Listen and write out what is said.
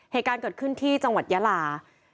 เหตุการณ์เกิดขึ้นที่จังหวัดยาลา